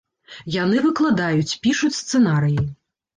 Яны выкладаюць, пішуць сцэнарыі.